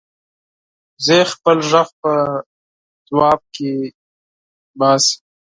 وزې خپل غږ په ځواب کې باسي